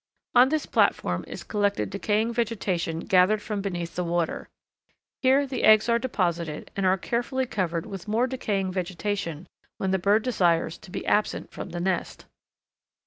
On this platform is collected decaying vegetation gathered from beneath the water. Here the eggs are deposited, and are carefully covered with more decaying vegetation when the bird desires to be absent from the nest.